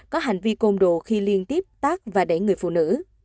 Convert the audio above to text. có hành vi côn đồ khi liên tiếp tác và đẩy người phụ nữ